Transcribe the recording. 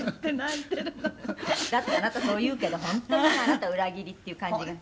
「だってあなたそう言うけど本当にあなた裏切りっていう感じが」